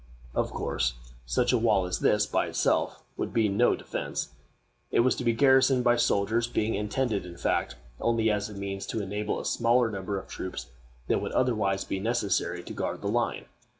Of course, such a wall as this, by itself, would be no defense. It was to be garrisoned by soldiers, being intended, in fact, only as a means to enable a smaller number of troops than would otherwise be necessary to guard the line.